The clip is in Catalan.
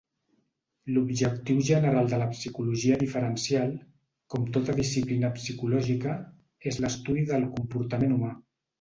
L'objectiu general de la Psicologia Diferencial, com tota disciplina psicològica, és l'estudi del comportament humà.